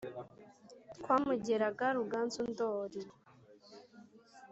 twamugeraga ruganzu ndori